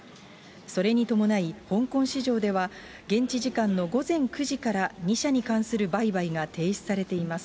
それに伴い、香港市場では、現地時間の午前９時から２社に関する売買が停止されています。